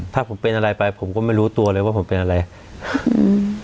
ถ้าผมเป็นอะไรไปผมก็ไม่รู้ตัวเลยว่าผมเป็นอะไรอืม